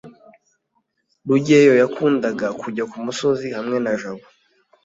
rugeyo yakundaga kujya kumusozi hamwe na jabo